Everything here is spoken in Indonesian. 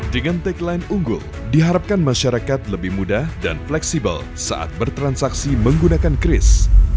dengan tagline unggul diharapkan masyarakat lebih mudah dan fleksibel saat bertransaksi menggunakan kris